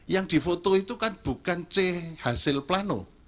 yang difoto itu kan bukan c hasil plano